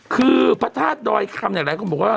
คือพระทาชด้อยคำอะไรก็บอกว่า